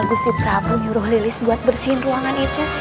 agusti trapu nyuruh lilis buat bersihin ruangan itu